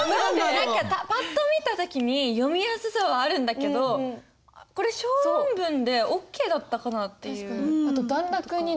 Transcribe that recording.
何かぱっと見た時に読みやすさはあるんだけどこれ小論文でＯＫだったかなっていう。